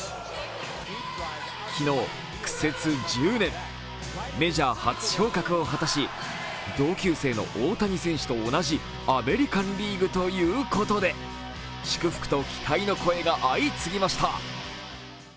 昨日、苦節１０年、メジャー初昇格を果たし同級生の大谷選手と同じアメリカン・リーグということで祝福と期待の声が相次ぎました。